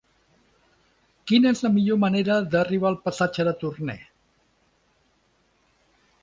Quina és la millor manera d'arribar al passatge de Torné?